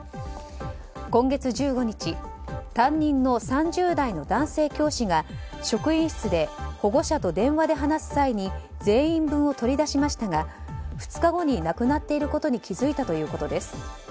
今月１５日担任の３０代の男性教師が職員室で保護者と電話で話す際に全員分を取り出しましたが２日後になくなっていることに気づいたということです。